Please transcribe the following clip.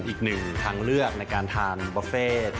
อีกหนึ่งทางเลือกในการทานบุฟเฟ่